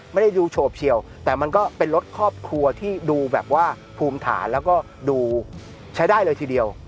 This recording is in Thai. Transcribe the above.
ไม่ได้ดูโฉบเฉียวแต่มันก็เป็นรถครอบครัวที่ดูแบบว่าภูมิฐานแล้วก็ดูใช้ได้เลยทีเดียว